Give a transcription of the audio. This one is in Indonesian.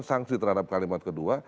sangsi terhadap kalimat kedua